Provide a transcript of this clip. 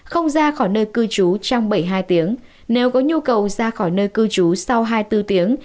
không ra khỏi nơi cư trú trong bảy mươi hai tiếng nếu có nhu cầu ra khỏi nơi cư trú sau hai mươi bốn tiếng